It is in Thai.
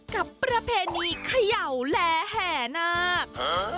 กับประเพณีขย่าวแลแห่หนัก